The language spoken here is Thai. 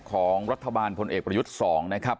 ของรัฐบาลพลเอกประยุทธ์๒